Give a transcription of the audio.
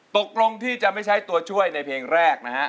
ตกลงที่จะไม่ใช้ตัวช่วยในเพลงแรกนะฮะ